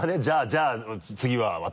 「じゃあ次は私」